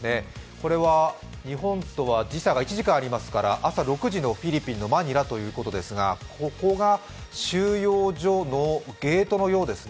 これは日本とは時差が１時間ありますから朝６時のフィリピンのマニラということですが、ここが収容所のゲートのようですね。